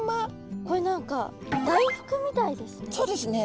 これ何か大福みたいですね。